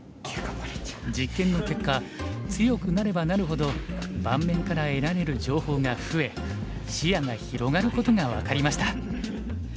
実験の結果強くなればなるほど盤面から得られる情報が増え視野が広がることが分かりました。